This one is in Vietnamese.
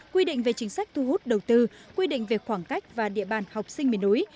quy định về chính sách thu hút đầu tư quy định về khoảng cách và địa bàn học sinh miền núi